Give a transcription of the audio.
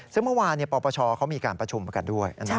ซึ่งเมื่อวานปปชเขามีการประชุมกันด้วย